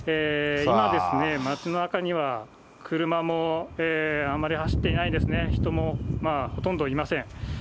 今、街なかには車もあまり走ってないですね、人もまあほとんどいません。